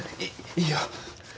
いいよ。